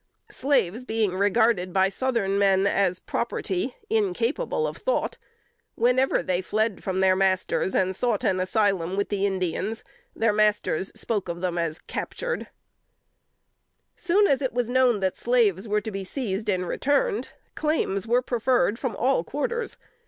Slaves being regarded by Southern men as property, incapable of thought, whenever they fled from their masters and sought an asylum with the Indians, the masters spoke of them as captured. Soon us it was known that slaves were to be seized and returned, claims were preferred from all quarters.